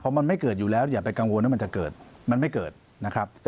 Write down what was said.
มันไม่เกิดอยู่แล้วอย่าไปกังวลว่ามันจะเกิดมันไม่เกิดนะครับ